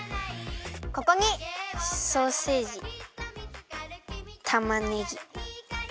ここにソーセージたまねぎピーマン。